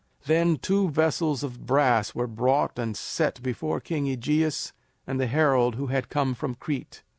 Then two vessels of brass were brought and set before King AEgeus and the herald who had come from Crete.